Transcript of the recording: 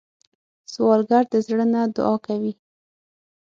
سوالګر د زړه نه دعا کوي